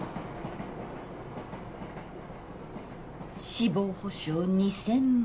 死亡保障２，０００万円？